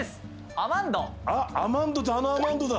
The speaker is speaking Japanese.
アマンドってあのアマンドだ。